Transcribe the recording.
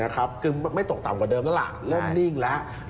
คือไม่ตกต่ำกว่าเดิมแล้วล่ะเริ่มนิ่งแล้ว